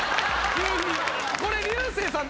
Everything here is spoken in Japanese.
これ竜星さん